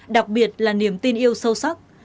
đặc biệt là niềm tin yêu sâu sắc